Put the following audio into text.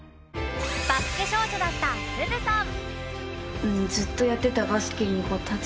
バスケ少女だったすずさん。